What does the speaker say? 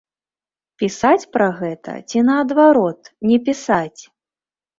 Пісаць пра гэта ці, наадварот, не пісаць?